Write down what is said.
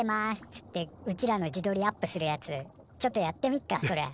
つってうちらの自どりアップするやつちょっとやってみっかそれ。